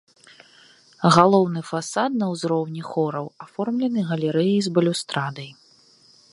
Галоўны фасад на ўзроўні хораў аформлены галерэяй з балюстрадай.